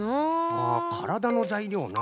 あからだのざいりょうな。